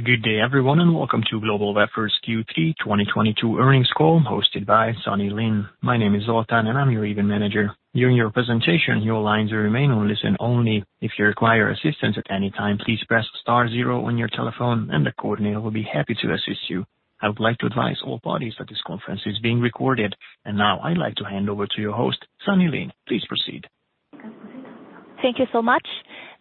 Good day everyone, and welcome to GlobalWafers Q3 2022 earnings call hosted by Sunny Lin. My name is Sultan, and I'm your event manager. During your presentation, your lines will remain on listen only. If you require assistance at any time, please press star zero on your telephone and the coordinator will be happy to assist you. I would like to advise all parties that this conference is being recorded. Now I'd like to hand over to your host, Sunny Lin. Please proceed. Thank you so much.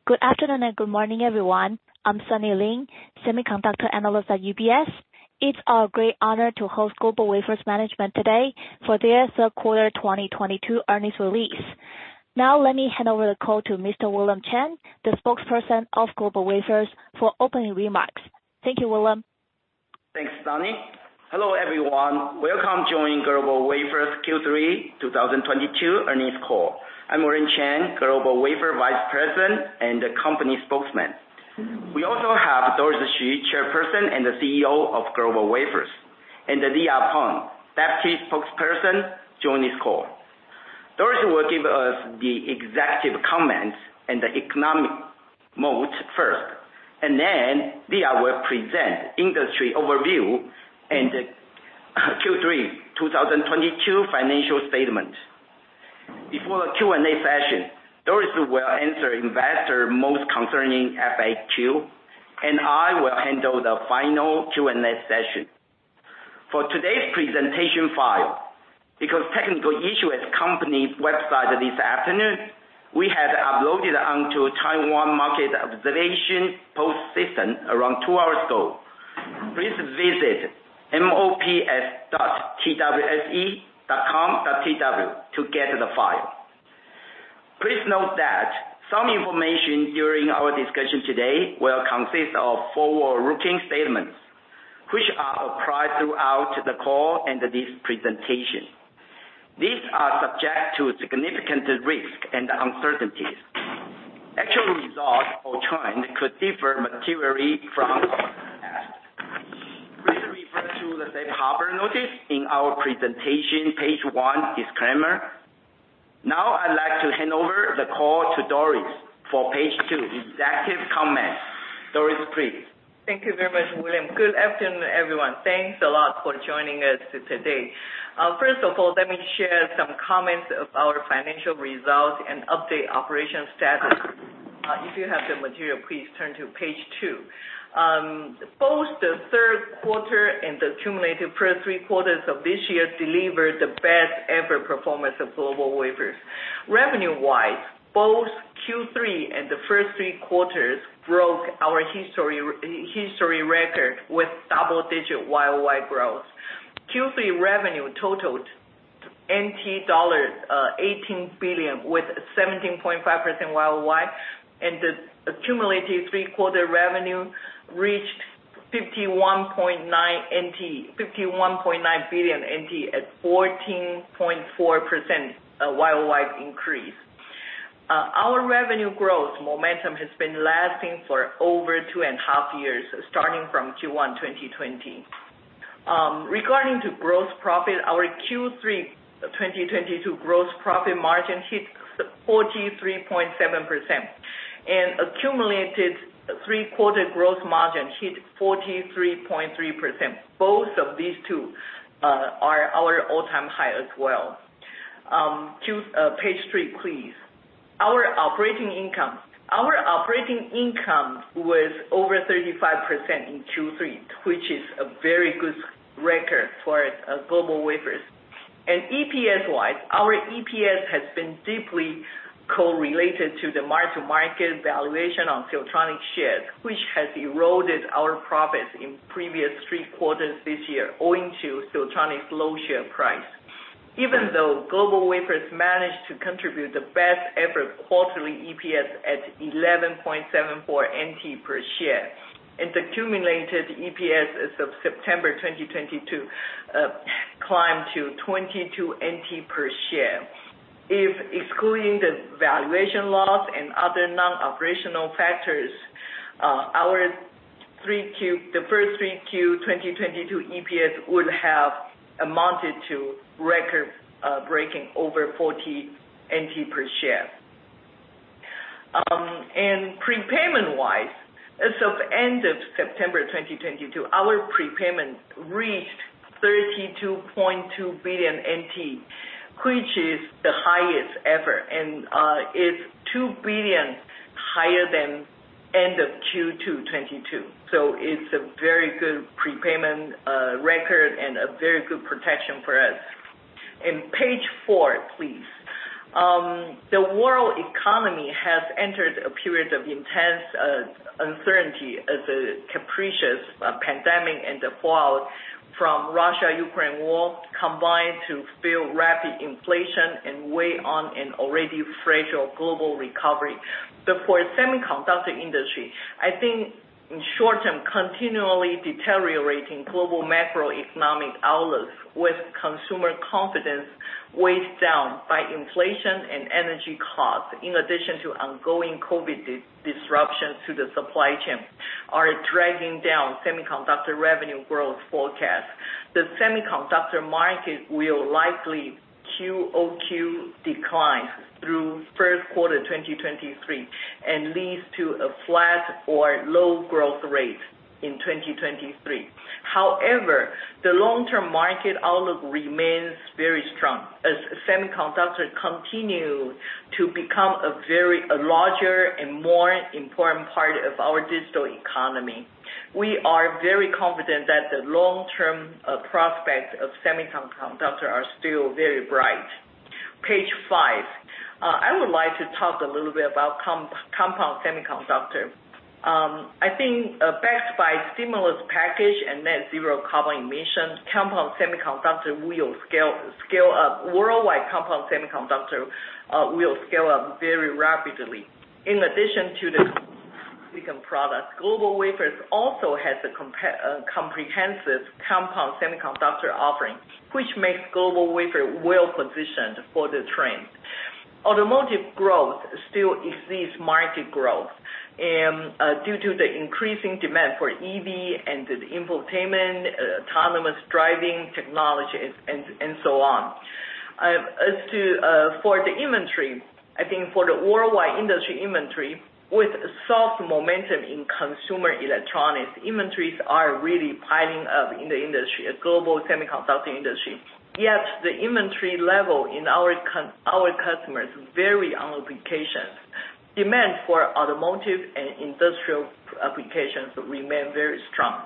Good afternoon and good morning, everyone. I'm Sunny Lin, Semiconductor Analyst at UBS. It's our great honor to host GlobalWafers management today for their third quarter 2022 earnings release. Now let me hand over the call to Mr. William Chen, the spokesperson of GlobalWafers for opening remarks. Thank you, William. Thanks, Sunny. Hello, everyone. Welcome to join GlobalWafers Q3 2022 earnings call. I'm William Chen, GlobalWafers Vice President and the company spokesman. We also have Doris Hsu, Chairperson and CEO of GlobalWafers, and Leah Peng, Deputy Spokesperson join this call. Doris will give us the executive comments and the economic moat first, and then Leah Peng will present industry overview and Q3 2022 financial statement. Before the Q&A session, Doris will answer investor most concerning FAQ, and I will handle the final Q&A session. For today's presentation file, because of a technical issue at the company website this afternoon, we have uploaded onto Taiwan Market Observation Post System around two hours ago. Please visit mops.twse.com.tw to get the file. Please note that some information during our discussion today will consist of forward-looking statements, which apply throughout the call and this presentation. These are subject to significant risk and uncertainties. Actual results or trends could differ materially from forecast. Please refer to the safe harbor notice in our presentation, page one, disclaimer. Now I'd like to hand over the call to Doris for page two, executive comments. Doris, please. Thank you very much, William. Good afternoon, everyone. Thanks a lot for joining us today. First of all, let me share some comments of our financial results and update operation status. If you have the material, please turn to page two. Both the third quarter and the cumulative first three quarters of this year delivered the best ever performance of GlobalWafers. Revenue-wise, both Q3 and the first three quarters broke our history record with double-digit year-over-year growth. Q3 revenue totaled NT dollars 18 billion with 17.5% year-over-year, and the accumulated three quarter revenue reached 51.9 billion NT at 14.4% year-over-year increase. Our revenue growth momentum has been lasting for over two and a half years, starting from Q1 2020. Regarding gross profit, our Q3 2022 gross profit margin hit 43.7%, and accumulated three-quarter gross margin hit 43.3%. Both of these two are our all-time high as well. Page three, please. Our operating income was over 35% in Q3, which is a very good record for GlobalWafers. EPS-wise, our EPS has been deeply correlated to the mark-to-market valuation on Siltronic shares, which has eroded our profits in previous three quarters this year, owing to Siltronic's low share price. Even though GlobalWafers managed to contribute the best ever quarterly EPS at 11.74 NT per share, and the cumulated EPS as of September 2022 climbed to 22 NT per share. If excluding the valuation loss and other non-operational factors, our first three Q 2022 EPS would have amounted to record-breaking over 40 TWD per share. Prepayment-wise, as of end of September 2022, our prepayment reached 32.2 billion NT, which is the highest ever, and is 2 billion higher than end of Q2 2022. It's a very good prepayment record and a very good protection for us. Page four, please. The world economy has entered a period of intense uncertainty as a capricious pandemic and the fallout from Russia-Ukraine war combined to fuel rapid inflation and weigh on an already fragile global recovery. For semiconductor industry, I think in short term, continually deteriorating global macroeconomic outlook with consumer confidence weighed down by inflation and energy costs, in addition to ongoing COVID disruption to the supply chain are dragging down semiconductor revenue growth forecast. The semiconductor market will likely QOQ decline through first quarter 2023, and leads to a flat or low growth rate in 2023. However, the long-term market outlook remains very strong as semiconductor continue to become a very a larger and more important part of our digital economy. We are very confident that the long-term prospect of semiconductor are still very bright. Page five. I would like to talk a little bit about compound semiconductor. I think, backed by stimulus package and net zero carbon emissions, compound semiconductor will scale up. Worldwide compound semiconductor will scale up very rapidly. In addition to the silicon product, GlobalWafers also has a comprehensive compound semiconductor offering, which makes GlobalWafers well positioned for the trend. Automotive growth still exceeds market growth and due to the increasing demand for EV and the infotainment, autonomous driving technology and so on. As to for the inventory, I think for the worldwide industry inventory with soft momentum in consumer electronics, inventories are really piling up in the industry, a global semiconductor industry. Yet the inventory level in our customers vary on applications. Demand for automotive and industrial applications remain very strong.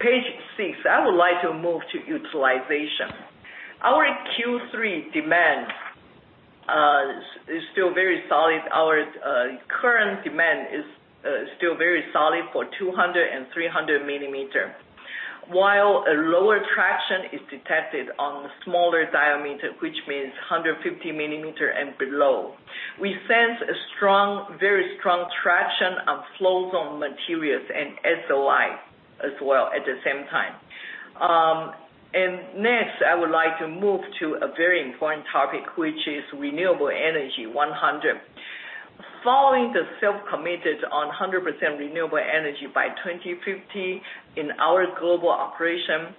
Page six, I would like to move to utilization. Our Q3 demand is still very solid. Our current demand is still very solid for 200- millimeter and 300-millimeter. While a lower traction is detected on the smaller diameter, which means 150 millimeter and below, we sense a strong, very strong traction on Float Zone materials and SOI as well at the same time. Next, I would like to move to a very important topic, which is RE100. Following the self-commitment to 100% renewable energy by 2050 in our global operation,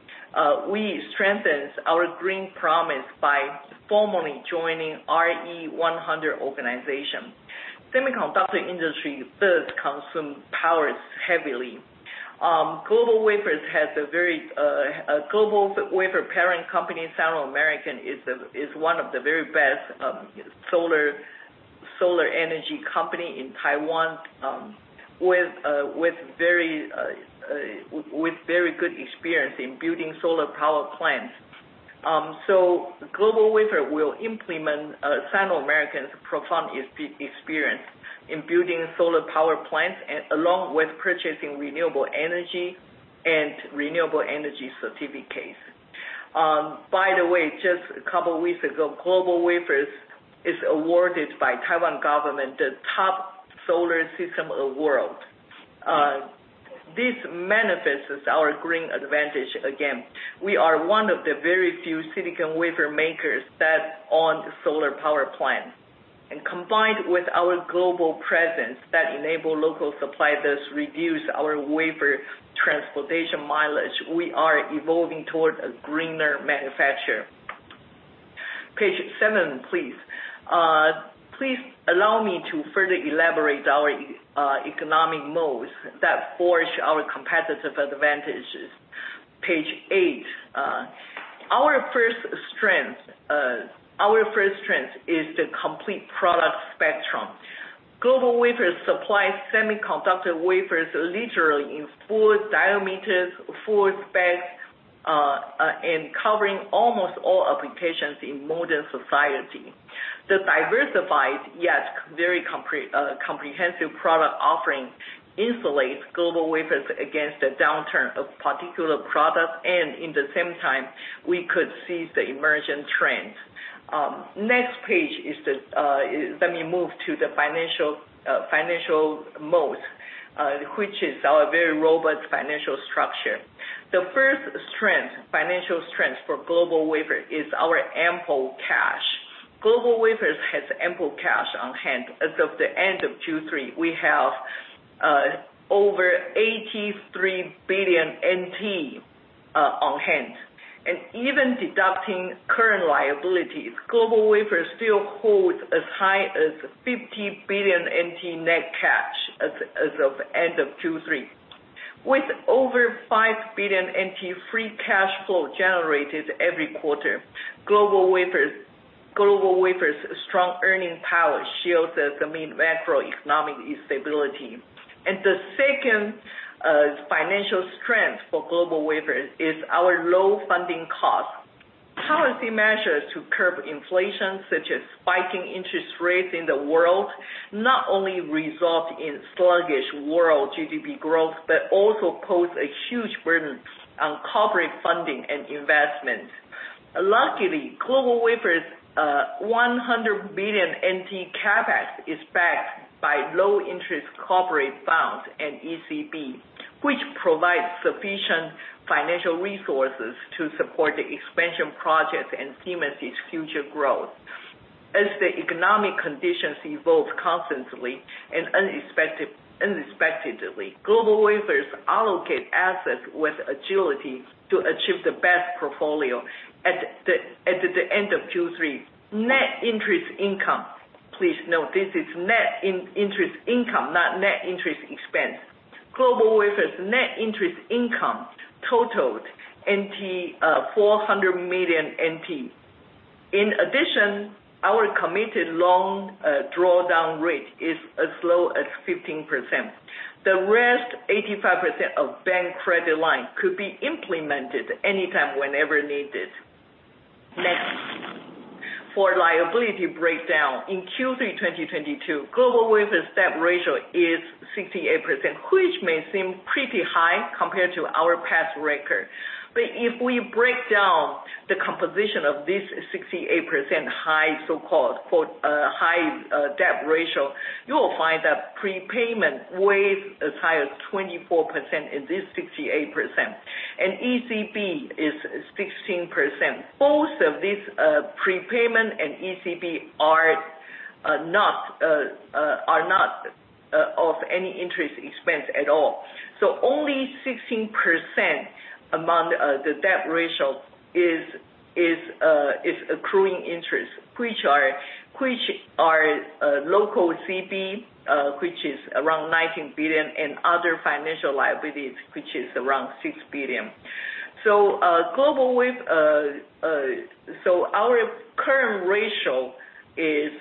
we strengthened our green promise by formally joining RE100 organization. Semiconductor industry does consume power heavily. GlobalWafers has a GlobalWafers parent company, Sino-American is one of the very best solar energy company in Taiwan, with very good experience in building solar power plants. GlobalWafers will implement Sino-American's profound experience in building solar power plants, and along with purchasing renewable energy and renewable energy certificates. By the way, just a couple weeks ago, GlobalWafers is awarded by Taiwan government the top solar system award. This manifests our green advantage again. We are one of the very few silicon wafer makers that own solar power plant. Combined with our global presence that enable local suppliers reduce our wafer transportation mileage, we are evolving towards a greener manufacturer. Page seven, please. Please allow me to further elaborate our economic moats that forge our competitive advantages. Page eight. Our first strength is the complete product spectrum. GlobalWafers supplies semiconductor wafers literally in full diameters, full specs, and covering almost all applications in modern society. The diversified, yet very comprehensive product offering insulates GlobalWafers against the downturn of particular products and in the same time we could seize the emerging trends. Next page is the financial mode, which is our very robust financial structure. The first financial strength for GlobalWafers is our ample cash. GlobalWafers has ample cash on hand. As of the end of Q3, we have over 83 billion NT on hand. Even deducting current liabilities, GlobalWafers still holds as high as 50 billion NT net cash as of end of Q3. With over 5 billion NT free cash flow generated every quarter, GlobalWafers' strong earning power shields us amid macroeconomic instability. The second financial strength for GlobalWafers is our low funding cost. Policy measures to curb inflation, such as spiking interest rates in the world, not only result in sluggish world GDP growth, but also pose a huge burden on corporate funding and investment. Luckily, GlobalWafers 100 billion NT CapEx is backed by low-interest corporate bonds and ECB, which provides sufficient financial resources to support the expansion projects and seamless future growth. As the economic conditions evolve constantly and unexpectedly, GlobalWafers allocate assets with agility to achieve the best portfolio at the end of Q3. Net interest income. Please note this is net interest income, not net interest expense. GlobalWafers net interest income totaled 400 million NT. In addition, our committed loan drawdown rate is as low as 15%. The rest, 85% of bank credit line could be implemented anytime whenever needed. Next. For liability breakdown, in Q3 2022, GlobalWafers debt ratio is 68%, which may seem pretty high compared to our past record. If we break down the composition of this 68% high, so-called, quote, "high debt ratio," you will find that prepayment weighs as high as 24% in this 68%, and ECB is 16%. Both of these, prepayment and ECB are not of any interest expense at all. Only 16% among the debt ratio is accruing interest, which are local CB, which is around 19 billion, and other financial liabilities, which is around 6 billion. Our current ratio is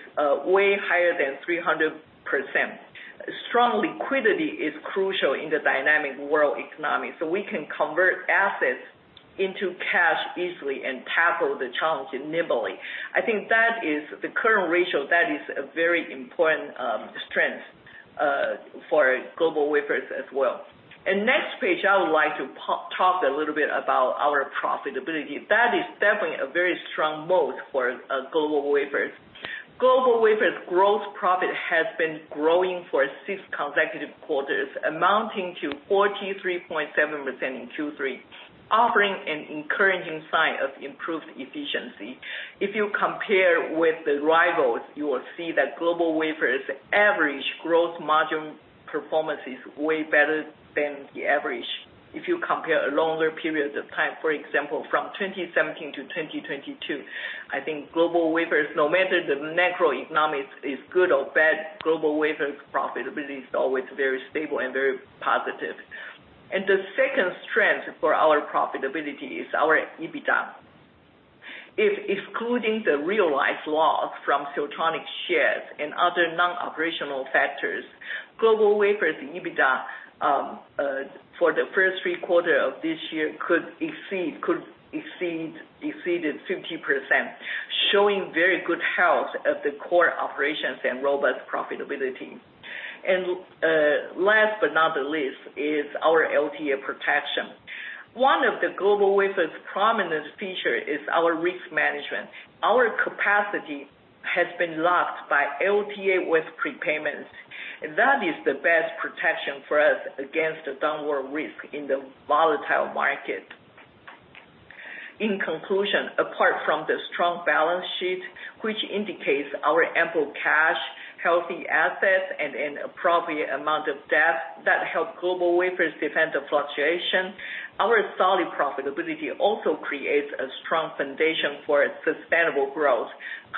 way higher than 300%. Strong liquidity is crucial in the dynamic world economy, so we can convert assets into cash easily and tackle the challenge nimbly. I think that is the current ratio. That is a very important strength for GlobalWafers as well. Next page, I would like to talk a little bit about our profitability. That is definitely a very strong moat for GlobalWafers. GlobalWafers gross profit has been growing for six consecutive quarters, amounting to 43.7% in Q3, offering an encouraging sign of improved efficiency. If you compare with the rivals, you will see that GlobalWafers average gross margin performance is way better than the average if you compare a longer period of time, for example, from 2017 to 2022. I think GlobalWafers, no matter the macroeconomics is good or bad, GlobalWafers profitability is always very stable and very positive. The second strength for our profitability is our EBITDA. If excluding the realized loss from Siltronic shares and other non-operational factors, GlobalWafers EBITDA for the first three quarters of this year exceeded 50%, showing very good health of the core operations and robust profitability. Last but not the least is our LTA protection. One of the GlobalWafers prominent feature is our risk management. Our capacity has been locked by LTA with prepayments, and that is the best protection for us against the downward risk in the volatile market. In conclusion, apart from the strong balance sheet, which indicates our ample cash, healthy assets, and an appropriate amount of debt that help GlobalWafers defend the fluctuation, our solid profitability also creates a strong foundation for its sustainable growth.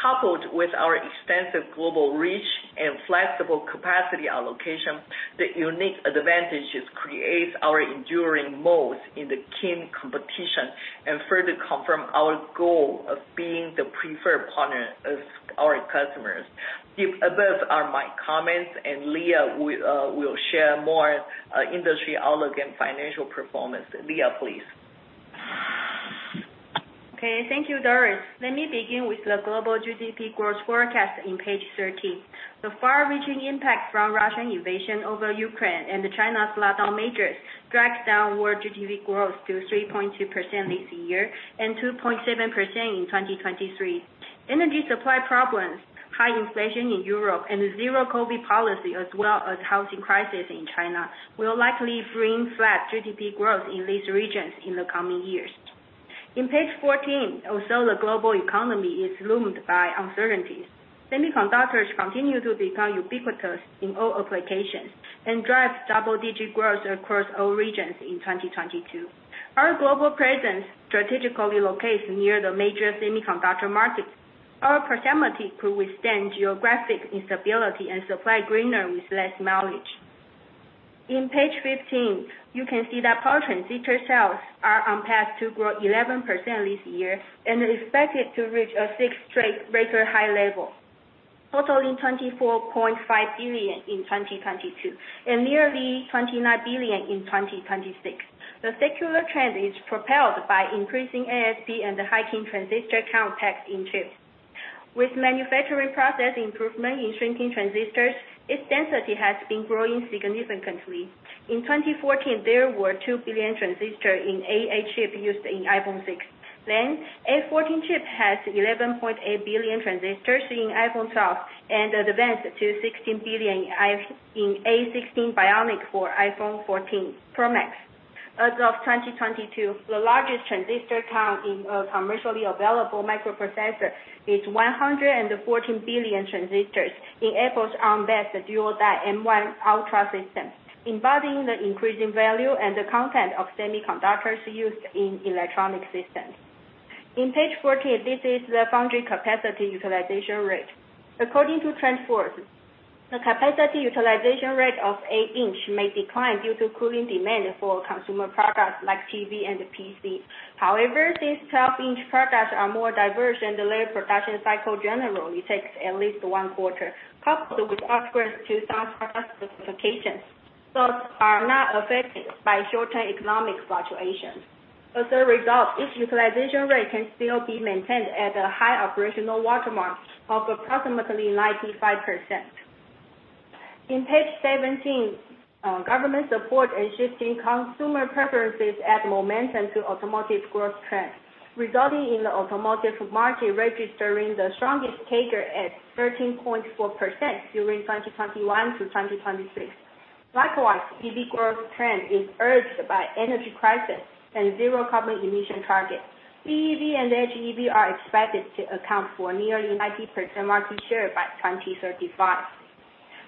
Coupled with our extensive global reach and flexible capacity allocation, the unique advantages creates our enduring moat in the keen competition, and further confirm our goal of being the preferred partner of our customers. The above are my comments, and Leah will share more industry outlook and financial performance. Leah, please. Okay. Thank you, Doris. Let me begin with the global GDP growth forecast in page 13. The far-reaching impact from Russian invasion over Ukraine and China's lockdown measures dragged down world GDP growth to 3.2% this year and 2.7% in 2023. Energy supply problems, high inflation in Europe, and zero COVID policy as well as housing crisis in China will likely bring flat GDP growth in these regions in the coming years. In page 14, also the global economy is looming by uncertainties. Semiconductors continue to become ubiquitous in all applications and drive double-digit growth across all regions in 2022. Our global presence strategically located near the major semiconductor markets. Our proximity could withstand geographic instability and supply greener with less mileage. On page 15, you can see that power transistor sales are on track to grow 11% this year and expected to reach a sixth straight record high level, totaling $24.5 billion in 2022 and nearly $29 billion in 2026. The secular trend is propelled by increasing ASP and the higher transistor count packed in chips. With manufacturing process improvement in shrinking transistors, its density has been growing significantly. In 2014, there were 2 billion transistors in A8 chip used in iPhone 6. A14 Bionic has 11.8 billion transistors in iPhone 12 and advanced to 16 billion in A16 Bionic for iPhone 14 Pro Max. As of 2022, the largest transistor count in a commercially available microprocessor is 114 billion transistors in Apple's ARM-based dual die M1 Ultra system, embodying the increasing value and the content of semiconductors used in electronic systems. On page 14, this is the foundry capacity utilization rate. According to TrendForce, the capacity utilization rate of eight-inch may decline due to slowing demand for consumer products like TV and PC. However, these 12-inch products are more diverse and the lead production cycle generally takes at least one quarter, coupled with upgrades to some product specifications, thus are not affected by short-term economic fluctuations. As a result, the utilization rate can still be maintained at a high operational watermark of approximately 95%. On page 17, government support and shifting consumer preferences add momentum to automotive growth trend, resulting in the automotive market registering the strongest CAGR at 13.4% during 2021-2023. Likewise, EV growth trend is urged by energy crisis and zero carbon emission target. BEV and HEV are expected to account for nearly 90% market share by 2035.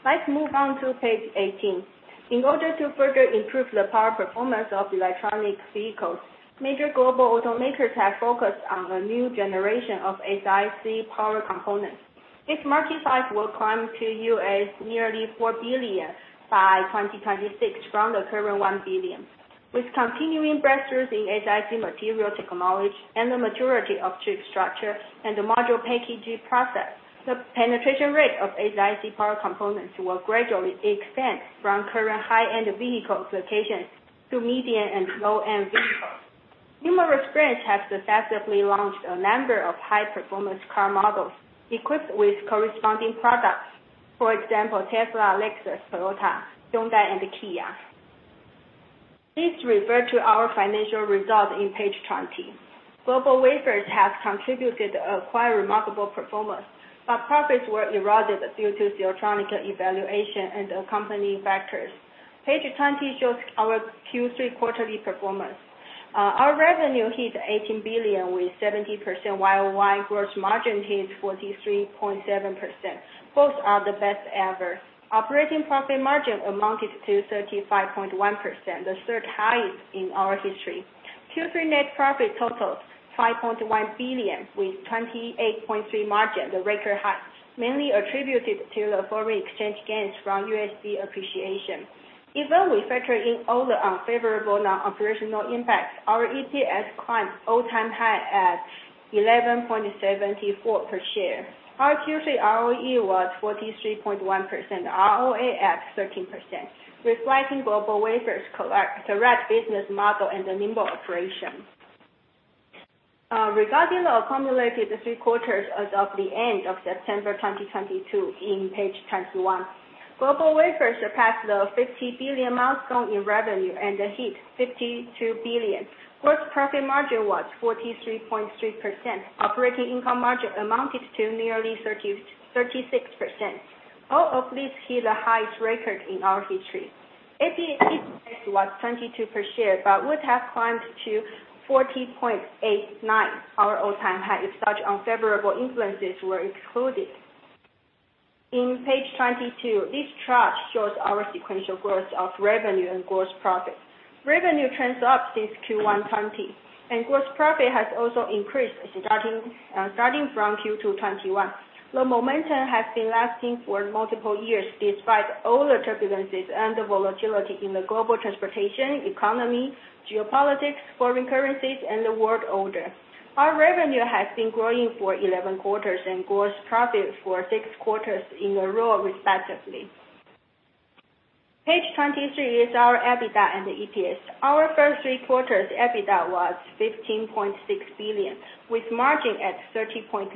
Let's move on to page 18. In order to further improve the power performance of electric vehicles, major global automakers have focused on a new generation of SiC power components. This market size will climb to nearly $4 billion by 2026 from the current $1 billion. With continuing breakthroughs in SiC material technology and the maturity of chip structure and the module packaging process, the penetration rate of SiC power components will gradually expand from current high-end vehicle applications to medium and low-end vehicles. Numerous brands have successively launched a number of high-performance car models equipped with corresponding products. For example, Tesla, Lexus, Toyota, Hyundai, and Kia. Please refer to our financial results in page 20. GlobalWafers has contributed a quite remarkable performance, but profits were eroded due to Siltronic evaluation and accompanying factors. Page 20 shows our Q3 quarterly performance. Our revenue hit 18 billion with 70% year-over-year growth margin hit 43.7%. Both are the best ever. Operating profit margin amounted to 35.1%, the third highest in our history. Q3 net profit totals 5.1 billion with 28.3% margin, the record high, mainly attributed to the foreign exchange gains from USD appreciation. Even reflecting all the unfavorable non-operational impacts, our EPS climbed all-time high at 11.74 per share. Our Q3 ROE was 43.1%, ROA at 13%, reflecting GlobalWafers collect-direct business model and the nimble operation. Regarding the accumulated three quarters as of the end of September 2022 in page 21. GlobalWafers surpassed the 50 billion milestone in revenue and hit 52 billion. Gross profit margin was 43.3%. Operating income margin amounted to nearly thirty-six percent. All of these hit the highest record in our history. EPS was 22 per share, but would have climbed to 40.89, our all-time high, if such unfavorable influences were excluded. On page 22, this chart shows our sequential growth of revenue and gross profit. Revenue trends up since Q1 2020, and gross profit has also increased starting from Q2 2021. The momentum has been lasting for multiple years, despite all the turbulences and the volatility in the global transportation economy, geopolitics, foreign currencies, and the world order. Our revenue has been growing for 11 quarters and gross profit for six quarters in a row, respectively. Page 23 is our EBITDA and EPS. Our first three quarters EBITDA was 15.6 billion, with margin at 30.1%.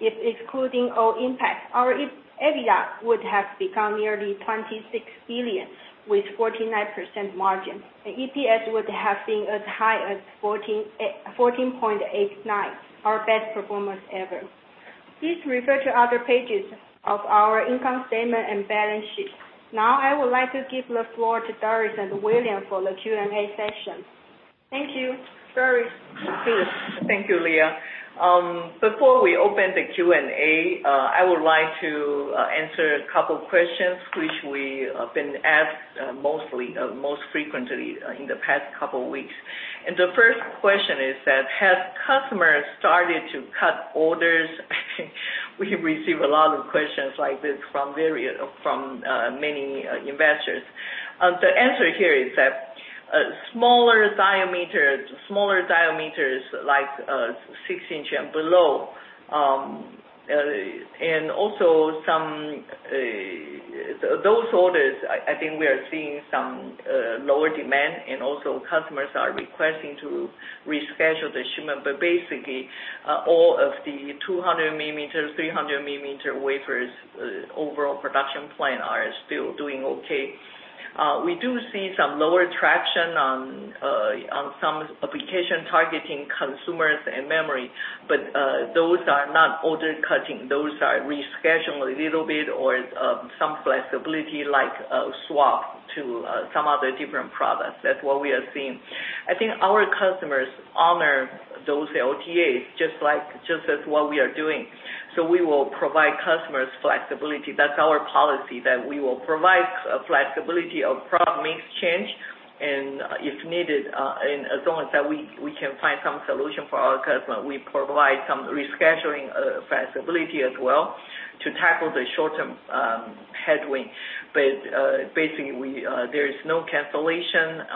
If excluding all impacts, our EBITDA would have become nearly 26 billion, with 49% margin. The EPS would have been as high as 14.89, our best performance ever. Please refer to other pages of our income statement and balance sheet. Now, I would like to give the floor to Doris Hsu and William Chen for the Q&A session. Thank you. Doris Hsu, please. Thank you, Leah. Before we open the Q&A, I would like to answer a couple questions which we have been asked, mostly, most frequently, in the past couple weeks. The first question is, have customers started to cut orders? We receive a lot of questions like this from various, many investors. The answer here is that smaller diameters like six-inch and below, and also some those orders, I think we are seeing some lower demand, and also customers are requesting to reschedule the shipment. But basically, all of the 200 millimeters, 300 millimeter wafers overall production plan are still doing okay. We do see some lower traction on some application targeting consumers and memory, but those are not order cutting. Those are rescheduled a little bit or some flexibility like a swap to some other different products. That's what we are seeing. I think our customers honor those LTAs just as what we are doing. We will provide customers flexibility. That's our policy, that we will provide flexibility of product mix change and, if needed, and as long as that we can find some solution for our customer, we provide some rescheduling flexibility as well to tackle the short-term headwind. Basically, there is no cancellation,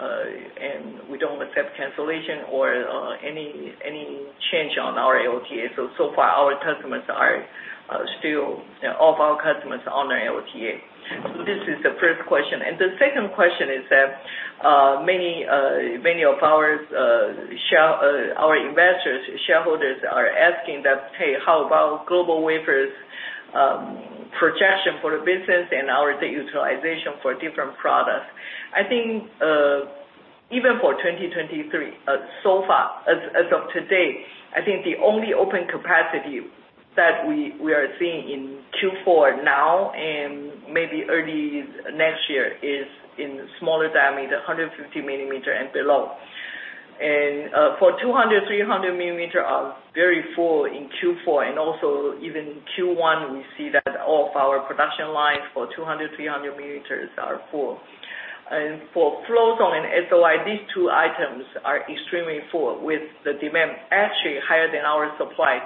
and we don't accept cancellation or any change on our LTAs. So far our customers are still, all of our customers honor LTA. This is the first question. The second question is that many of our investors, shareholders are asking that, "Hey, how about GlobalWafers' projection for the business and our utilization for different products?" I think even for 2023, so far, as of today, I think the only open capacity that we are seeing in Q4 now and maybe early next year is in smaller diameter, 150 millimeter and below. For 200, 300 millimeter are very full in Q4, and also even Q1 we see that all of our production lines for 200, 300 millimeters are full. For Float Zone and SOI, these two items are extremely full with the demand actually higher than our supply.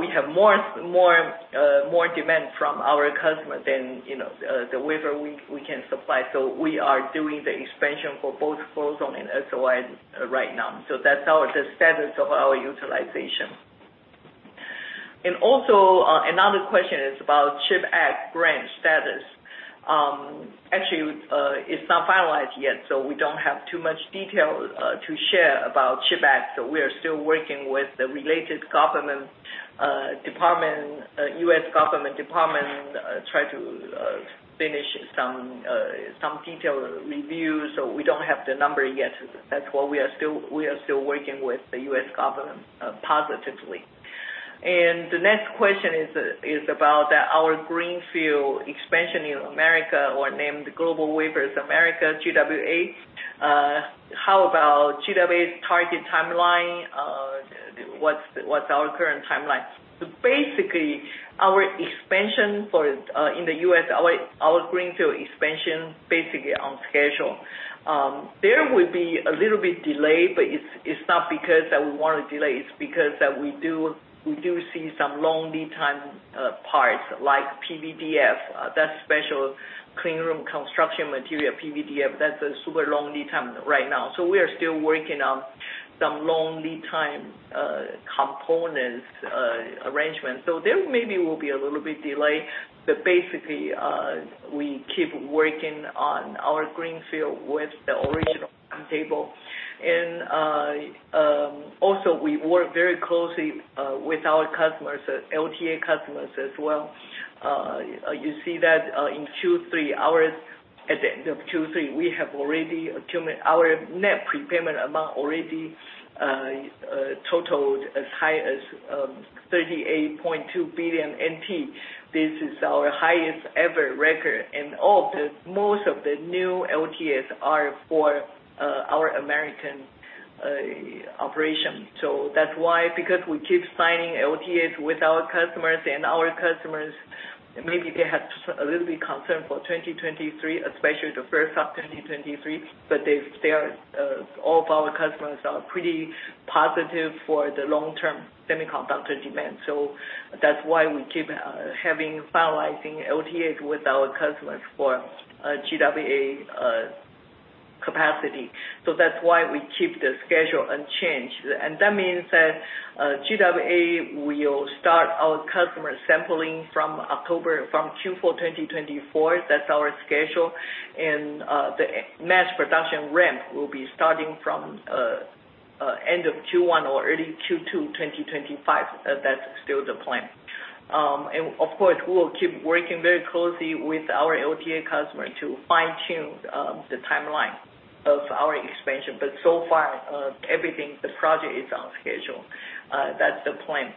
We have more demand from our customers than, you know, the wafer we can supply. We are doing the expansion for both Float Zone and SOI right now. That's the status of our utilization. Also, another question is about CHIPS Act grant status. Actually, it's not finalized yet, so we don't have too much detail to share about CHIPS Act. We are still working with the related government department, U.S. government department, try to finish some detailed reviews. We don't have the number yet. That's why we are still working with the U.S. government positively. The next question is about our greenfield expansion in America also named GlobalWafers America, GWA. How about GWA's target timeline? What's our current timeline? Basically, our expansion for in the U.S., our greenfield expansion basically on schedule. There will be a little bit delay, but it's not because that we wanna delay, it's because that we do see some long lead time parts like PVDF. That's special clean room construction material, PVDF. That's a super long lead time right now. We are still working on some long lead time components arrangement. There maybe will be a little bit delay, but basically, we keep working on our greenfield with the original timetable. We work very closely with our customers, LTA customers as well. You see that in Q3 at the end of Q3, we have already accumulate our net prepayment amount already totaled as high as 38.2 billion NT. This is our highest ever record and most of the new LTAs are for our American operation. That's why because we keep signing LTAs with our customers and our customers, maybe they have a little bit concern for 2023, especially the first half 2023, but they are all of our customers are pretty positive for the long-term semiconductor demand. That's why we keep having finalizing LTAs with our customers for GWA capacity. That's why we keep the schedule unchanged. That means that GWA will start our customer sampling from Q4 2024. That's our schedule. The mass production ramp will be starting from end of Q1 or early Q2 2025. That's still the plan. Of course, we will keep working very closely with our LTA customer to fine-tune the timeline of our expansion. So far, everything, the project is on schedule. That's the plan.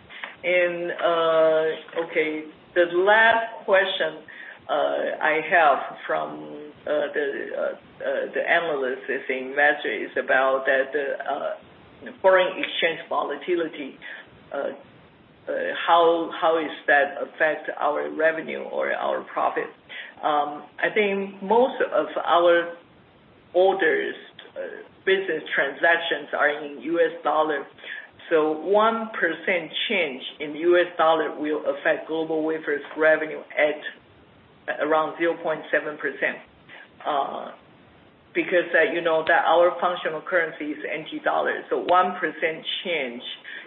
Okay, the last question I have from the analyst's message is about that foreign exchange volatility. How does that affect our revenue or our profit? I think most of our orders business transactions are in U.S. Dollar. So 1% change in U.S. Dollar will affect GlobalWafers' revenue at around 0.7%, because, you know, that our functional currency is NT dollar. One percent change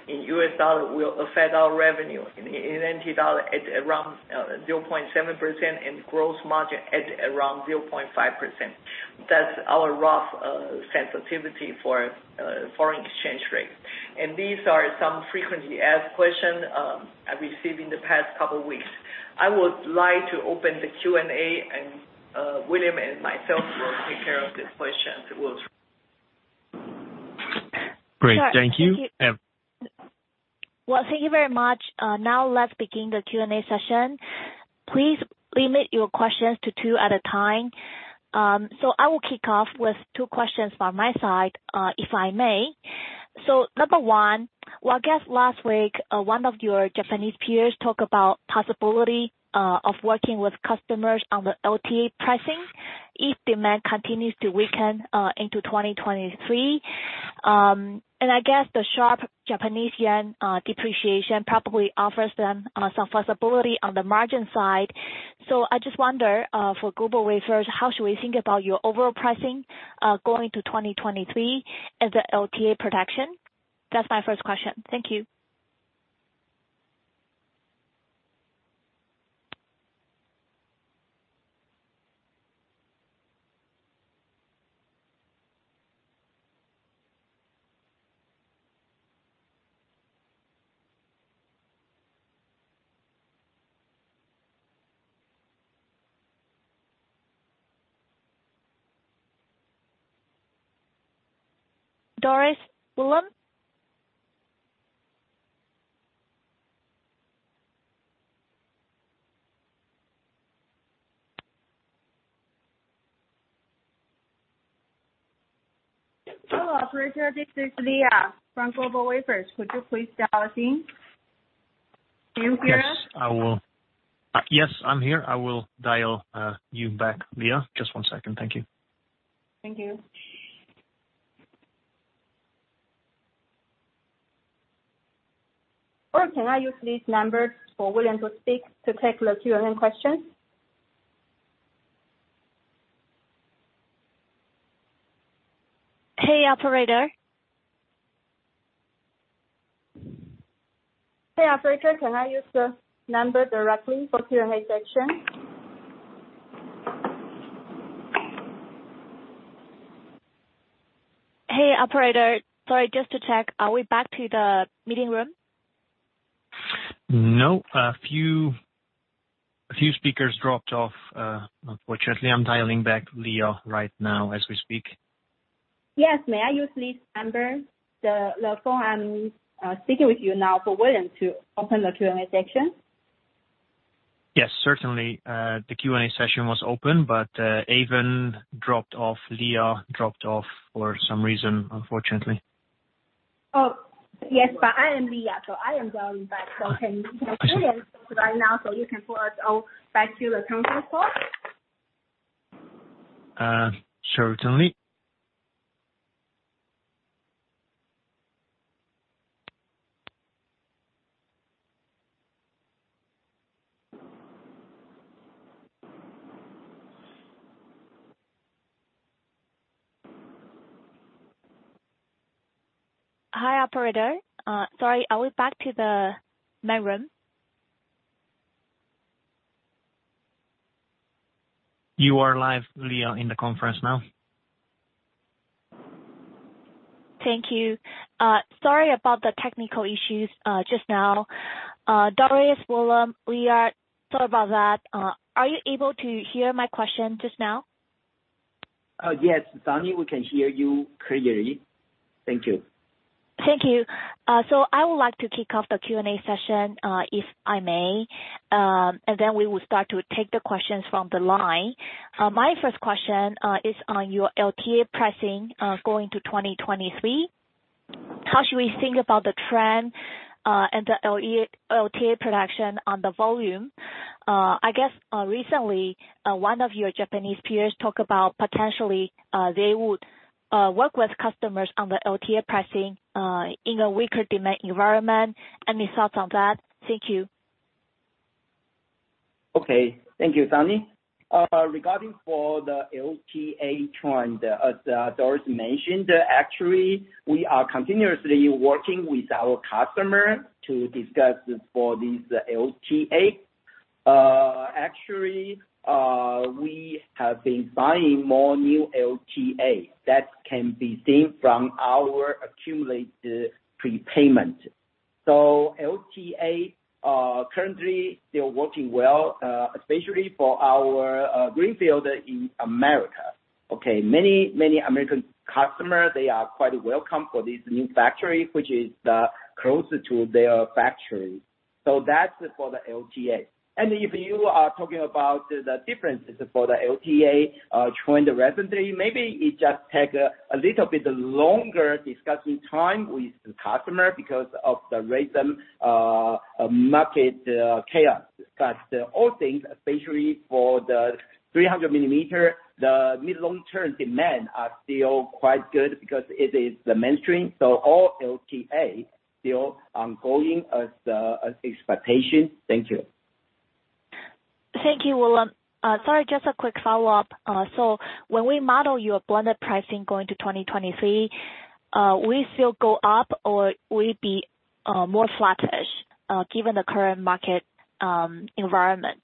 in U.S. Dollar will affect our revenue in NT dollar at around 0.7% and gross margin at around 0.5%. That's our rough sensitivity for foreign exchange rate. These are some frequently asked question I received in the past couple weeks. I would like to open the Q&A, and William and myself will take care of these questions. We'll Great. Thank you. Well, thank you very much. Now let's begin the Q&A session. Please limit your questions to two at a time. I will kick off with two questions from my side, if I may. Number one, I guess last week, one of your Japanese peers talked about possibility of working with customers on the LTA pricing if demand continues to weaken into 2023. I guess the sharp Japanese yen depreciation probably offers them some flexibility on the margin side. I just wonder, for GlobalWafers, how should we think about your overall pricing going to 2023 as a LTA protection? That's my first question. Thank you. Doris, William? Hello, Operator. This is Leah from GlobalWafers. Could you please dial us in? Can you hear us? Yes, I will. Yes, I'm here. I will dial you back, Leah. Just one second. Thank you. Thank you. Can I use these numbers for William to speak to take the Q&A questions? Hey, Operator. Hey, Operator. Can I use the number directly for Q&A section? Hey, Operator. Sorry, just to check. Are we back to the meeting room? No. A few speakers dropped off, unfortunately. I'm dialing back Leah Peng right now as we speak. Yes. May I use this number, the phone I'm speaking with you now for William to open the Q&A section? Yes, certainly. The Q&A session was open, but Doris Hsu dropped off, Leah Peng dropped off for some reason, unfortunately. Oh, yes, but I am Leah, so I am dialing back. Can you connect William right now, so you can put us all back to the conference call? Certainly. Hi, Operator. Sorry, are we back to the main room? You are live, Leah, in the conference now. Thank you. Sorry about the technical issues just now. Doris, William, sorry about that. Are you able to hear my question just now? Yes. Sunny, we can hear you clearly. Thank you. Thank you. I would like to kick off the Q&A session, if I may, and then we will start to take the questions from the line. My first question is on your LTA pricing going to 2023. How should we think about the trend and the LTA production on the volume? I guess recently one of your Japanese peers talked about potentially they would work with customers on the LTA pricing in a weaker demand environment. Any thoughts on that? Thank you. Okay. Thank you, Sunny. Regarding for the LTA trend, as Doris mentioned, actually, we are continuously working with our customer to discuss for this LTA. Actually, we have been buying more new LTA. That can be seen from our accumulated prepayment. LTA are currently still working well, especially for our greenfield in America, okay? Many American customer, they are quite welcome for this new factory, which is closer to their factory. That's for the LTA. If you are talking about the differences for the LTA trend recently, maybe it just take a little bit longer discussing time with the customer because of the recent market chaos. All things, especially for the 300-millimeter, the mid long-term demand are still quite good because it is the mainstream. All LTA still ongoing as expected. Thank you. Thank you, William. Sorry, just a quick follow-up. When we model your blended pricing going to 2023, we still go up or we be more flattish, given the current market environment.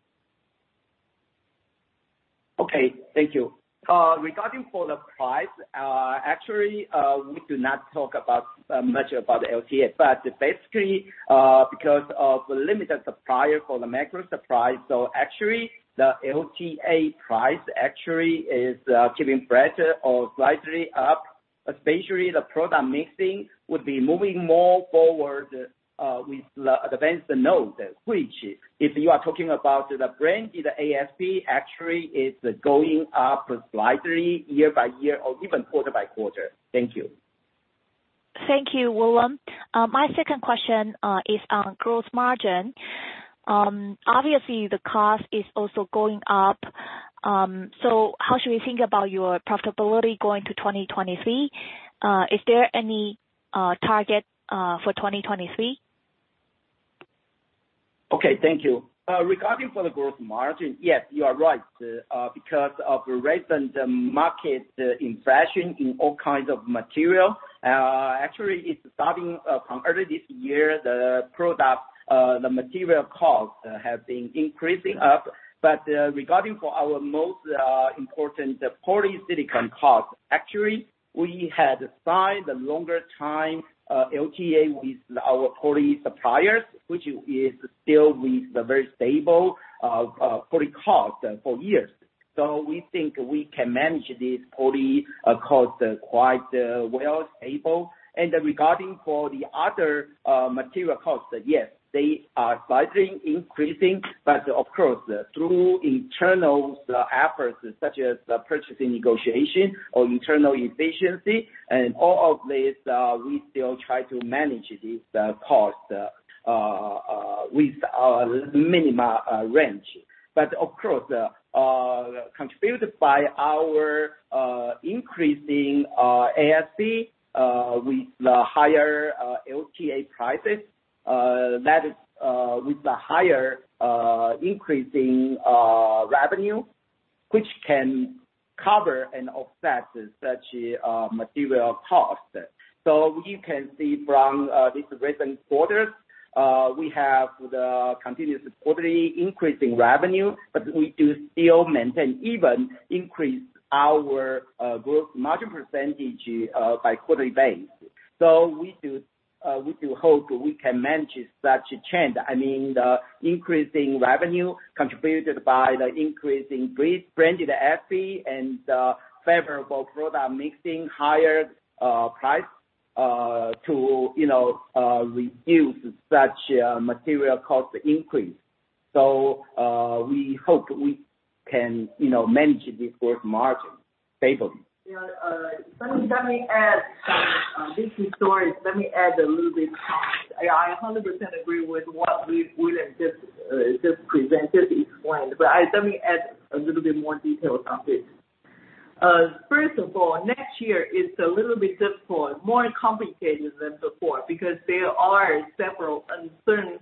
Okay. Thank you. Regarding the price, actually, we do not talk much about LTA, but basically, because of the limited supply in the market, so actually the LTA price actually is keeping pace or slightly up, especially the product mix would be moving more forward with the advanced node, which if you are talking about the brands, the ASP actually is going up slightly year-by-year or even quarter-by-quarter. Thank you. Thank you, William. My second question is on gross margin. Obviously the costs are also going up. How should we think about your profitability going to 2023? Is there any target for 2023? Okay. Thank you. Regarding for the growth margin, yes, you are right. Because of the recent market inflation in all kinds of material, actually it's starting from early this year, the material cost has been increasing up. Regarding for our most important Polysilicon cost, actually, we had signed a longer time LTA with our poly suppliers, which is still with the very stable poly cost for years. We think we can manage this poly cost quite well, stable. Regarding for the other material costs, yes, they are slightly increasing. Of course, through internal efforts such as purchasing negotiation or internal efficiency and all of this, we still try to manage this cost with our minimal range. Of course, contributed by our increasing ASP with the higher LTA prices, that is, with the higher increasing revenue, which can cover and offset such material costs. You can see from these recent quarters, we have the continuous quarterly increasing revenue, but we do still maintain even increase our gross margin percentage by quarterly basis. We hope we can manage such a trend. I mean, the increasing revenue contributed by the increasing branded ASP and favorable product mix higher price to, you know, reduce such material cost increase. We hope we can, you know, manage this gross margin favorably. Let me add a little bit. I 100% agree with what William just presented, explained, but let me add a little bit more details on this. First of all, next year is a little bit difficult, more complicated than before because there are several uncertain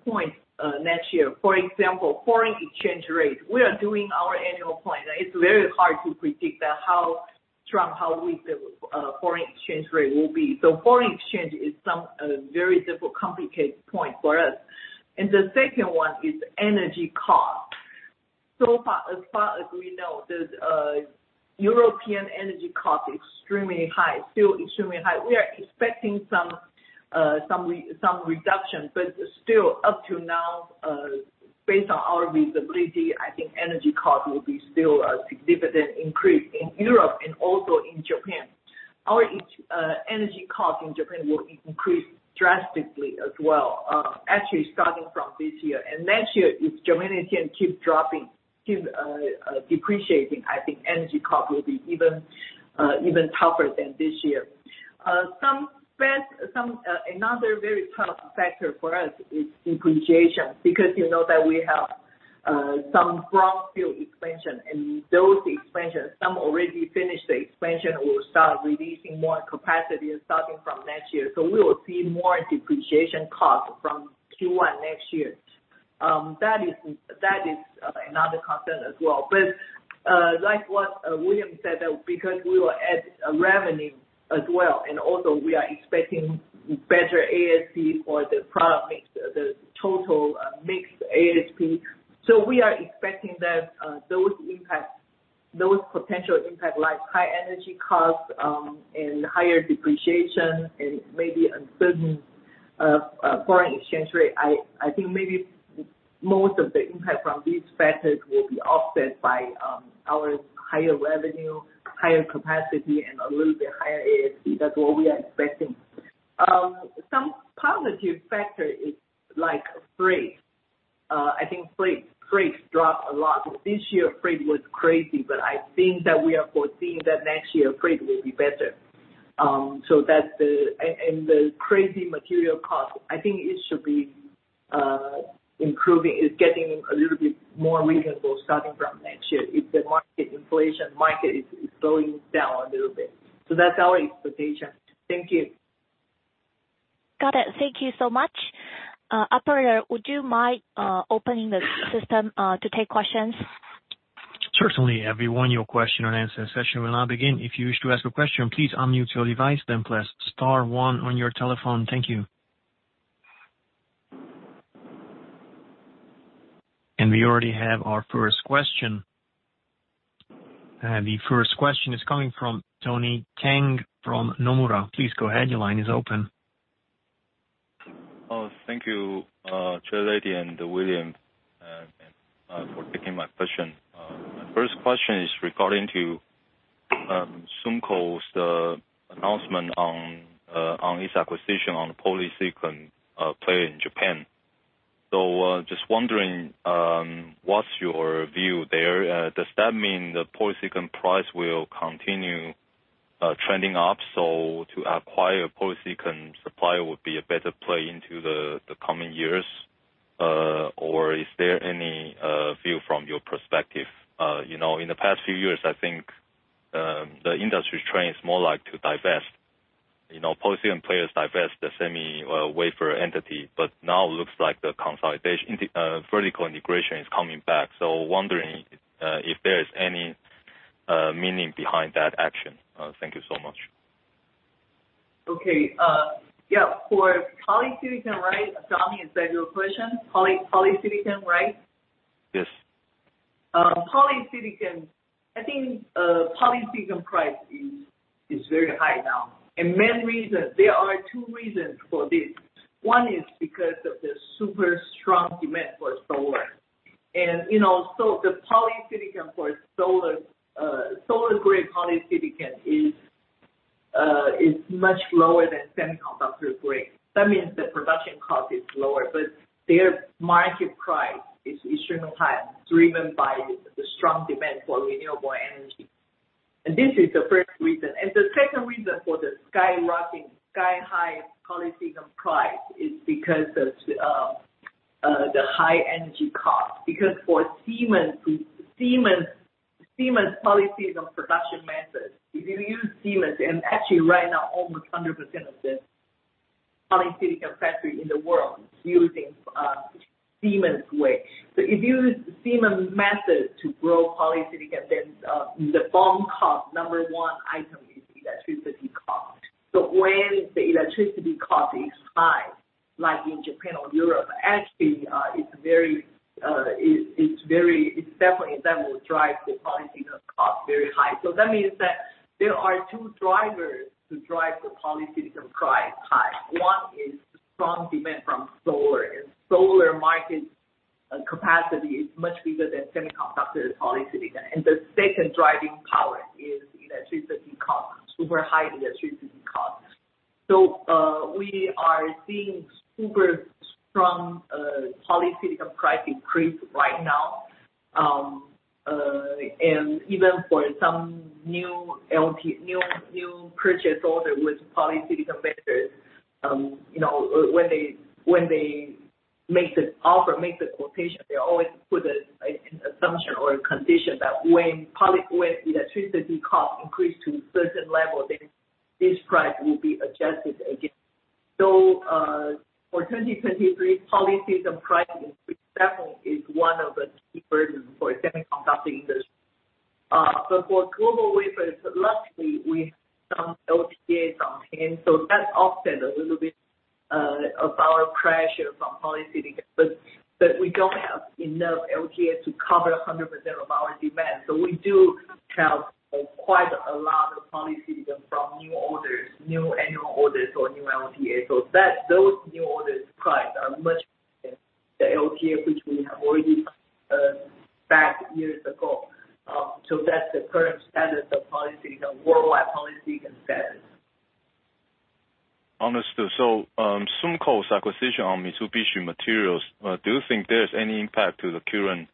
points next year. For example, foreign exchange rate. We are doing our annual plan. It's very hard to predict how strong, how weak the foreign exchange rate will be. So foreign exchange is a very difficult, complicated point for us. The second one is energy cost. So far, as far as we know, the European energy cost extremely high, still extremely high. We are expecting some reduction. Still up to now, based on our visibility, I think energy cost will be still a significant increase in Europe and also in Japan. Our energy cost in Japan will increase drastically as well, actually starting from this year. Next year, if Japanese yen keeps dropping, depreciating, I think energy cost will be even tougher than this year. Another very tough factor for us is depreciation, because you know that we have some CapEx expansion. Those expansions, some already finished, will start releasing more capacity starting from next year. We will see more depreciation cost from Q1 next year. That is another concern as well. Like what William said, because we will add revenue as well, and also we are expecting better ASP for the product mix, the total mix ASP. We are expecting that those potential impacts, like high energy costs, and higher depreciation and maybe uncertain foreign exchange rate, I think maybe most of the impact from these factors will be offset by our higher revenue, higher capacity, and a little bit higher ASP. That's what we are expecting. Some positive factor is like freight. I think freight dropped a lot. This year freight was crazy, but I think that we are foreseeing that next year freight will be better. That's the and the crazy material cost, I think it should be improving. It's getting a little bit more reasonable starting from next year if the market inflation is going down a little bit. That's our expectation. Thank you. Got it. Thank you so much. Operator, would you mind opening the system to take questions? Certainly. Everyone, your question-and-answer session will now begin. If you wish to ask a question, please unmute your device, then press star one on your telephone. Thank you. We already have our first question. The first question is coming from Donnie Teng from Nomura. Please go ahead. Your line is open. Oh, thank you, Chairlady and William, for taking my question. My first question is regarding to SUMCO's announcement on its acquisition on polysilicon player in Japan. Just wondering, what's your view there? Does that mean the polysilicon price will continue trending up, so to acquire polysilicon supplier would be a better play into the coming years? Or is there any view from your perspective? You know, in the past few years, I think, the industry trend is more like to divest, you know, polysilicon players divest the semi wafer entity. Now looks like the consolidation, vertical integration is coming back. Wondering, if there is any meaning behind that action? Thank you so much. Okay. Yeah, for polysilicon, right? Donnie, is that your question? Polysilicon, right? Yes. Polysilicon. I think polysilicon price is very high now. Main reason. There are two reasons for this. One is because of the super strong demand for solar. You know, so the polysilicon for solar-grade polysilicon is much lower than semiconductor grade. That means the production cost is lower, but their market price is extremely high, driven by the strong demand for renewable energy. This is the first reason. The second reason for the skyrocketing, sky-high polysilicon price is because of the high energy cost. Because for Siemens polysilicon production methods, if you use Siemens, and actually right now, almost 100% of the polysilicon factory in the world using Siemens way. So if you use Siemens method to grow polysilicon, then the bottom cost, number one item is electricity cost. When the electricity cost is high, like in Japan or Europe, actually, it's definitely that will drive the polysilicon cost very high. That means that there are two drivers to drive the polysilicon price high. One is strong demand from solar. Solar market capacity is much bigger than semiconductor polysilicon. The second driving power is electricity cost, super high electricity cost. We are seeing super strong polysilicon price increase right now. Even for some new LTA new purchase order with polysilicon vendors, you know, when they make the offer, make the quotation, they always put an assumption or a condition that when electricity cost increase to a certain level, then this price will be adjusted again. For 2023, polysilicon pricing, for example, is one of the key burdens for the semiconductor industry. For GlobalWafers, luckily we have some LTAs on hand, so that offset a little bit of our pressure from polysilicon. We don't have enough LTAs to cover 100% of our demand. We do have quite a lot of polysilicon from new orders, new annual orders or new LTAs. That's those new orders price are much higher than the LTA, which we have already booked years ago. That's the current status of polysilicon, worldwide polysilicon status. Understood. SUMCO's acquisition of Mitsubishi Materials, do you think there's any impact to the current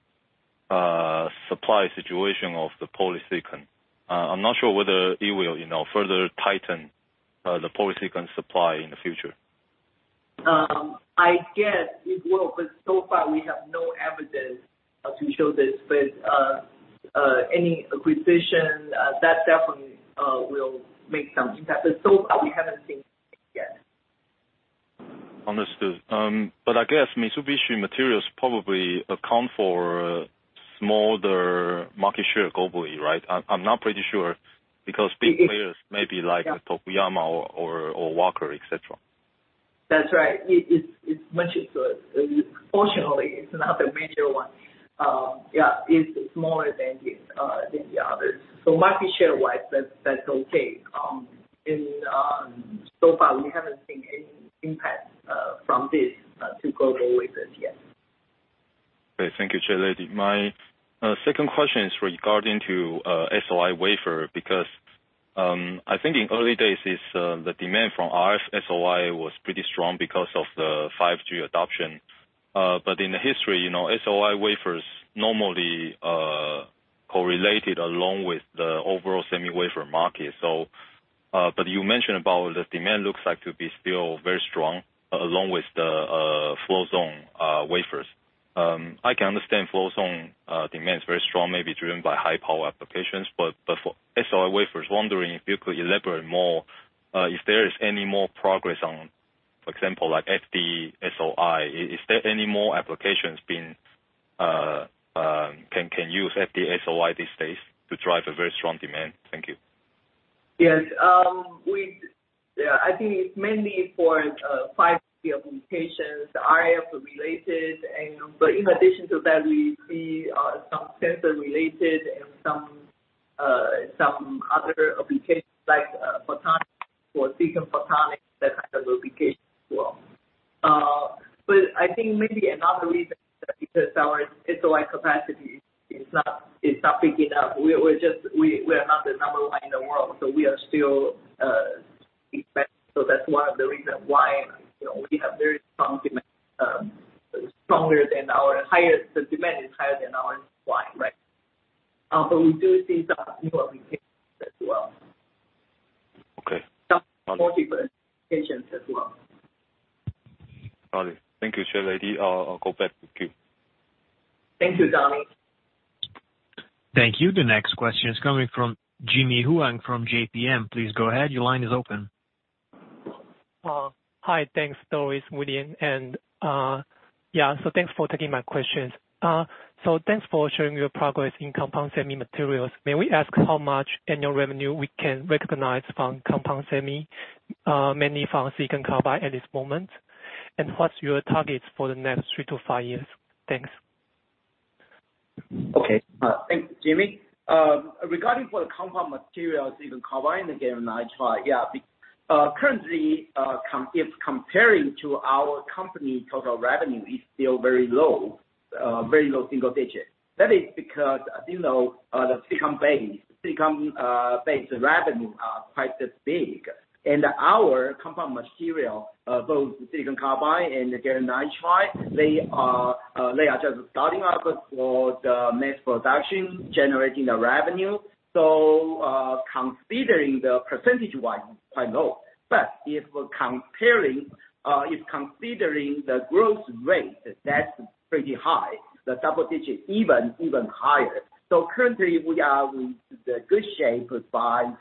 supply situation of the polysilicon? I'm not sure whether it will, you know, further tighten the polysilicon supply in the future. I guess it will, but so far we have no evidence to show this. Any acquisition that definitely will make some impact. So far we haven't seen it yet. Understood. I guess Mitsubishi Materials probably account for smaller market share globally, right? I'm not pretty sure because big players maybe like Tokuyama or Wacker, etc.. That's right. It's much, fortunately it's not a major one. Yeah, it's smaller than the others. Market share wise, that's okay. So far we haven't seen any impact from this to GlobalWafers yet. Okay. Thank you, Chairlady. My second question is regarding to SOI wafer because I think in early days is the demand from RF-SOI was pretty strong because of the 5G adoption. In the history, you know, SOI wafers normally correlated along with the overall semi wafer market. You mentioned about the demand looks like to be still very strong along with the Float Zone wafers. I can understand Float Zone demand is very strong, maybe driven by high power applications. But for SOI wafers, wondering if you could elaborate more if there is any more progress on, for example, like FD-SOI. Is there any more applications can use FD-SOI these days to drive a very strong demand? Thank you. Yes. Yeah, I think it's mainly for 5G applications, RF related. But in addition to that, we see some sensor related and some other applications like photonics for Silicon photonics, that kind of application as well. But I think maybe another reason is that because our SOI capacity is not big enough. We are just not the number one in the world, so we are still. Okay. Applications as well. Got it. Thank you, Chairlady. I'll go back to queue. Thank you, Donnie. Thank you. The next question is coming from Jimmy Huang from JPM. Please go ahead. Your line is open. Hi. Thanks, Doris, William, and yeah. Thanks for taking my questions. Thanks for sharing your progress in compound semi materials. May we ask how much annual revenue we can recognize from compound semi, mainly from silicon carbide at this moment? And what's your targets for the next 3-5 years? Thanks. Okay. Thanks, Jimmy. Regarding the compound materials, even combined the gallium nitride, currently, if comparing to our company total revenue, it's still very low, very low single digit. That is because, as you know, the silicon-based revenue is quite so big. Our compound material, both the silicon carbide and the gallium nitride, they are just starting up for the mass production, generating the revenue. Considering percentage-wise, quite low. If we're comparing, if considering the growth rate, that's pretty high, the double digit, even higher. Currently, we are in good shape by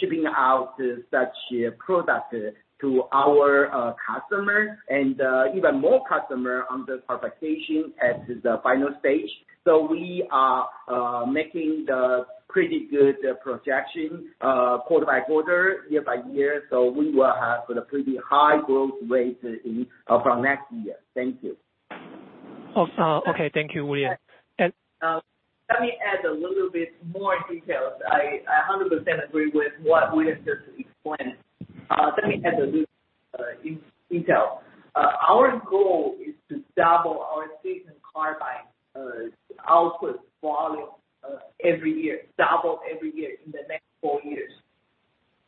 shipping out such products to our customers and even more customers on the qualification at the final stage. We are making the pretty good projection quarter-by-quarter, year-by-year, so we will have the pretty high growth rate in from next year. Thank you. Oh, okay, thank you, William. Let me add a little bit more details. I 100% agree with what William just explained. Let me add a little detail. Our goal is to double our silicon carbide output volume every year, double every year in the next four years.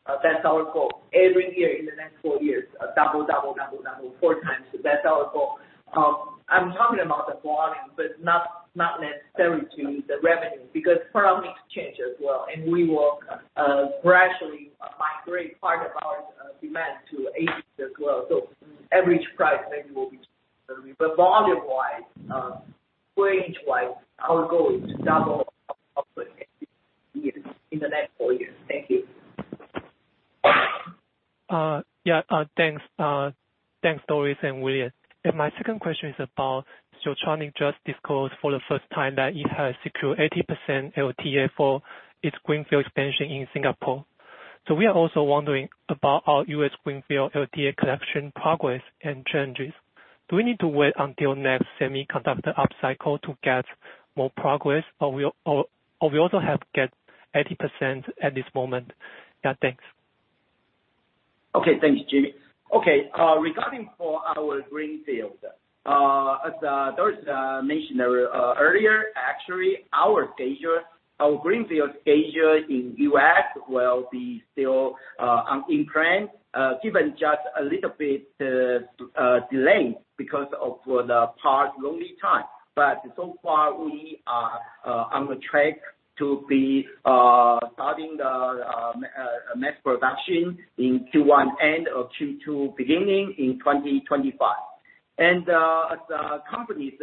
That's our goal. Every year in the next four years, double four times. That's our goal. I'm talking about the volume, but not necessarily to the revenue, because product mix change as well. We will gradually migrate part of our demand to six-inch as well. Average price maybe will be but volume-wise, wafer-wise, our goal is to double output every year in the next four years. Thank you. Thanks. Thanks, Doris and William. My second question is about Siltronic just disclosed for the first time that it has secured 80% LTA for its greenfield expansion in Singapore. We are also wondering about our U.S. greenfield LTA collection progress and challenges. Do we need to wait until next semiconductor upcycle to get more progress, or we also have got 80% at this moment? Thanks. Okay. Thanks, Jimmy. Okay, regarding our Greenfield, as Doris mentioned earlier, actually, our Greenfield stage in U.S. will still be on plan, even just a little bit delayed because of the lead time. So far, we are on the track to be starting the mass production in end of Q1, beginning of Q2 in 2025. As a company's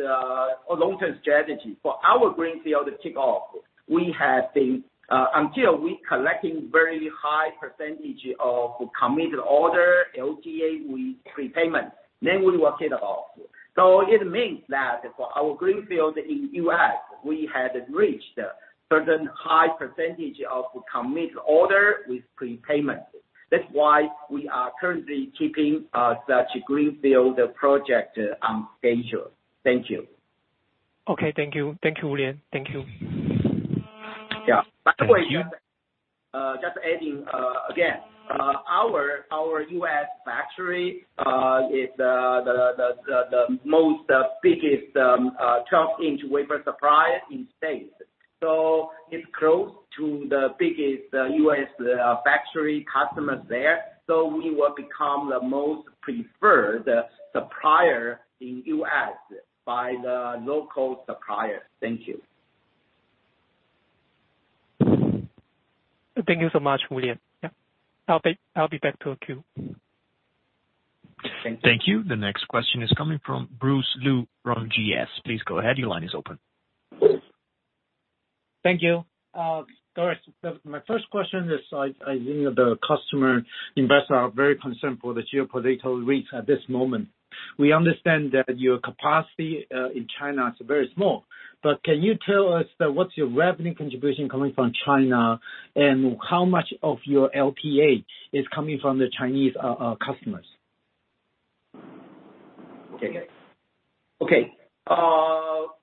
long-term strategy, for our Greenfield to take off, we have been until we collecting very high percentage of committed order LTA with prepayment, then we will kick it off. It means that for our Greenfield in U.S., we have reached a certain high percentage of committed order with prepayment. That's why we are currently keeping such Greenfield project on schedule. Thank you. Okay. Thank you. Thank you, William. Thank you. By the way, just adding again, our U.S. factory is the most biggest 12-inch wafer supplier in the States. It's close to the biggest U.S. factory customers there. We will become the most preferred supplier in the U.S. by the local supplier. Thank you. Thank you so much, William. Yeah. I'll be back to the queue. Thank you. The next question is coming from Bruce Lu from GS. Please go ahead. Your line is open. Thank you. Doris Hsu, my first question is I think the customers, investors are very concerned for the geopolitical risk at this moment. We understand that your capacity in China is very small, but can you tell us what's your revenue contribution coming from China, and how much of your LTA is coming from the Chinese customers? Okay.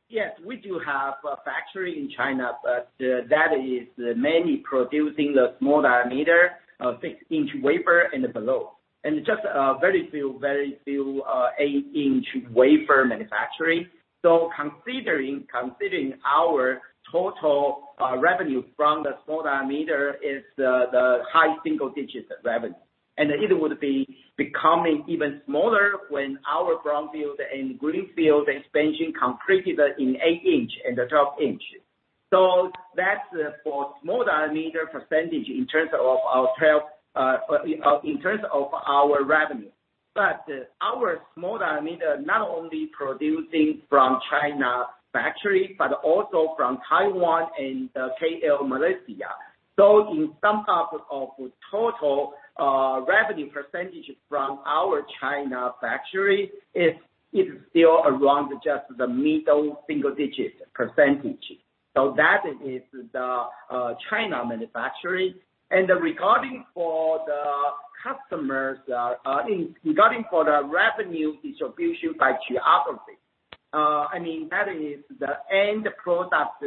Yes, we do have a factory in China, but that is mainly producing the small diameter of six-inch wafer and below. Just very few eight-inch wafer manufacturing. Considering our total revenue from the small diameter is the high single digits revenue. It would be becoming even smaller when our brownfield and greenfield expansion completed in eight-inch and the 12-inch. That's for small diameter percentage in terms of our sales, in terms of our revenue. But our small diameter not only producing from China factory, but also from Taiwan and KL, Malaysia. In sum up of total revenue percentage from our China factory, it's still around just the middle single digits percentage. That is the China manufacturing. Regarding the customers, regarding the revenue distribution by geography, I mean, that is the end product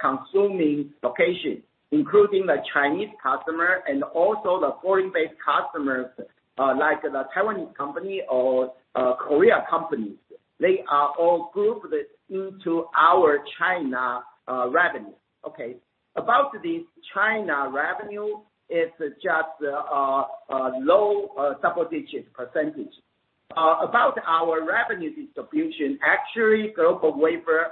consuming location, including the Chinese customer and also the foreign-based customers, like the Taiwanese company or Korea companies. They are all grouped into our China revenue. Okay. About the China revenue, it's just a low double-digit %. About our revenue distribution, actually, GlobalWafers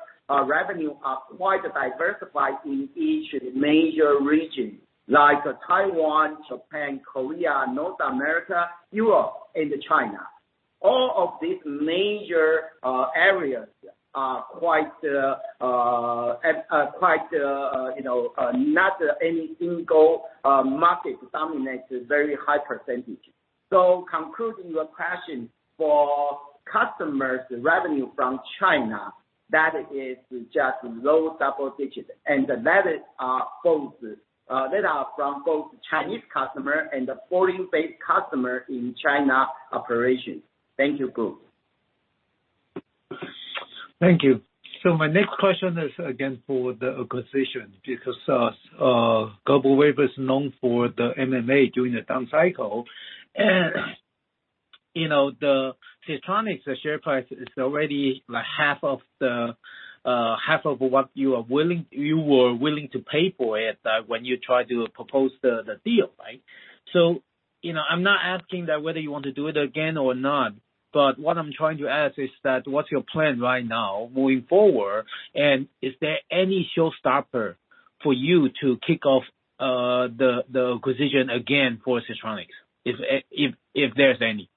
revenue are quite diversified in each major region, like Taiwan, Japan, Korea, North America, Europe, and China. All of these major areas are quite, you know, not any single market dominates very high percentage. Concluding your question, for customers revenue from China, that is just low double-digit %. That is both that are from both Chinese customer and the foreign-based customer in China operations. Thank you, Bruce. Thank you. My next question is again for the acquisition, because GlobalWafers is known for the M&A during the down cycle. You know, Siltronic's share price is already like half of what you were willing to pay for it when you tried to propose the deal, right? You know, I'm not asking that whether you want to do it again or not, but what I'm trying to ask is that what's your plan right now moving forward? Is there any showstopper for you to kick off the acquisition again for Siltronic, if there's any?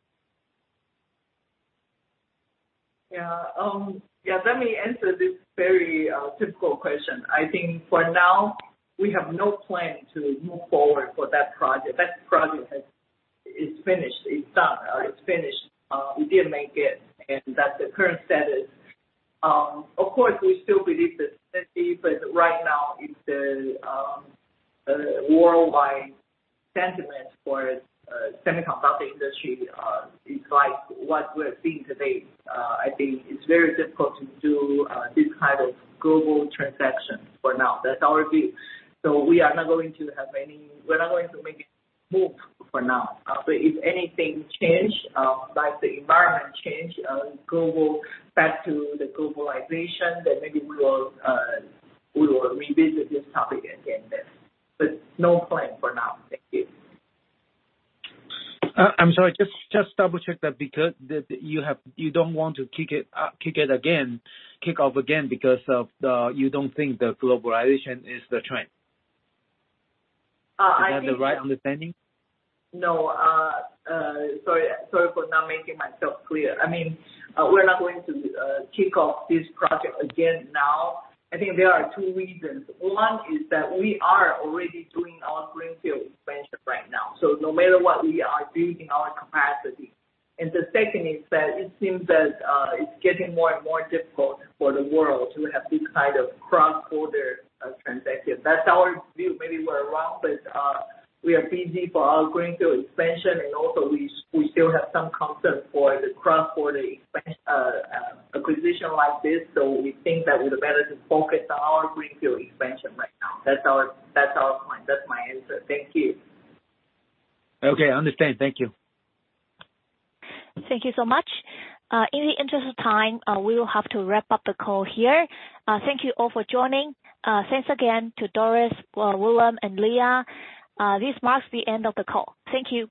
Yeah. Yeah, let me answer this very typical question. I think for now, we have no plan to move forward for that project. That project is finished. It's finished. We didn't make it, and that's the current status. Of course, we still believe that, but right now, it's the worldwide sentiment for semiconductor industry is like what we're seeing today. I think it's very difficult to do this kind of global transaction for now. That's our view. We are not going to make a move for now. If anything change, like the environment change, global back to the globalization, then maybe we will revisit this topic again then. No plan for now. Thank you. I'm sorry, just double-check that because you don't want to kick it off again because you don't think the globalization is the trend? I think. Is that the right understanding? No, sorry for not making myself clear. I mean, we're not going to kick off this project again now. I think there are two reasons. One is that we are already doing our greenfield expansion right now, so no matter what, we are building our capacity. The second is that it seems that it's getting more and more difficult for the world to have this kind of cross-border transaction. That's our view. Maybe we're wrong, but we are busy for our greenfield expansion and also we still have some concerns for the cross-border acquisition like this, so we think that we're better to focus on our greenfield expansion right now. That's our point. That's my answer. Thank you. Okay. Understand. Thank you. Thank you so much. In the interest of time, we will have to wrap up the call here. Thank you all for joining. Thanks again to Doris, William, and Leah. This marks the end of the call. Thank you.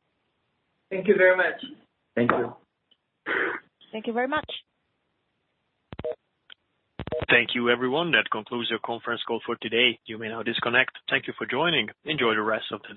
Thank you very much. Thank you. Thank you very much. Thank you everyone. That concludes your conference call for today. You may now disconnect. Thank you for joining. Enjoy the rest of the day.